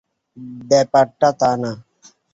ব্যাপারটা তা না।